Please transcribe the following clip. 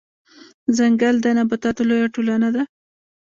ځنګل د نباتاتو لويه ټولنه ده